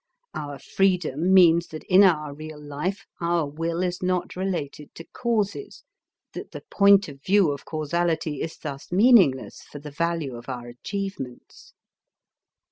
Our freedom means that in our real life our will is not related to causes, that the point of view of causality is thus meaningless for the value of our achievements.